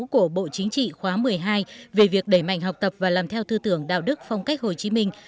của bộ chính trị khóa một mươi hai về việc đẩy mạnh học tập và làm theo tư tưởng đạo đức phong cách hồ chí minh